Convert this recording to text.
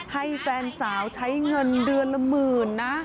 ให้แฟนสาวใช้เงินเดือนละหมื่นนะ